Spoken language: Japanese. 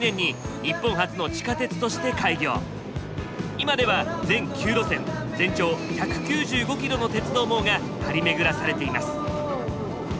今では全９路線全長１９５キロの鉄道網が張り巡らされています。